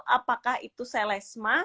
apakah itu selesma